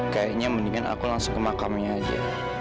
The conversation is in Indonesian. kayaknya mendingan aku langsung ke makamnya aja